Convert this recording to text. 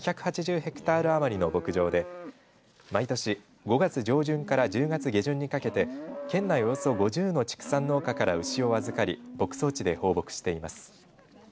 ヘクタール余りの牧場で毎年５月上旬から１０月下旬にかけて県内およそ５０の畜産農家から牛を預かり牧草地で放牧しています。